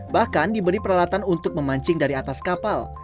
bahkan diberi peralatan untuk memancing dari atas kapal